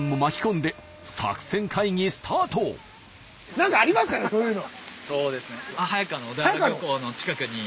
何かありますかねそういうの。